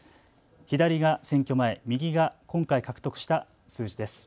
左が選挙前、右が今回獲得した数字です。